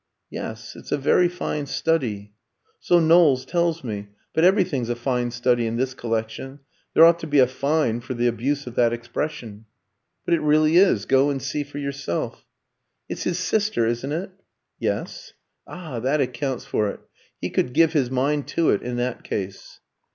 "Yes; it's a very fine study." "So Knowles tells me. But everything's a fine study in this collection. There ought to be 'a fine' for the abuse of that expression." "But it really is; go and see for yourself." "It's his sister, isn't it?" "Yes." "Ah, that accounts for it. He could give his mind to it in that case."